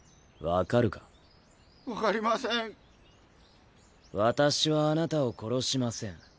分かりませ「私はあなたを殺しません。